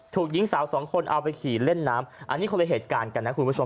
ถูกหญิงสาวสองคนเอาไปขี่เล่นน้ำอันนี้คนละเหตุการณ์กันนะคุณผู้ชม